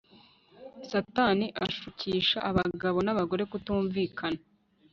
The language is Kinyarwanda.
Satani ashukisha abagabo nabagore kutumvira